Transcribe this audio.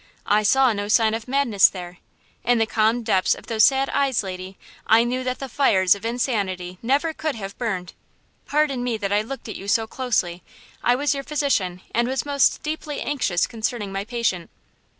I saw no sign of madness there. In the calm depths of those sad eyes, lady, I knew that the fires of insanity never could have burned. Pardon me that I looked at you so closely; I was your physician, and was most deeply anxious concerning my patient."